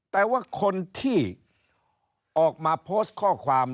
แต่ว่าคนที่ออกมาโพสต์ข้อความ